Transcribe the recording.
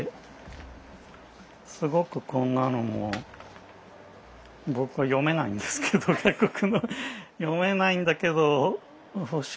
すごくこんなのも僕は読めないんですけど外国語読めないんだけど欲しくて。